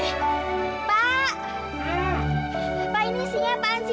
ini kok berat banget sih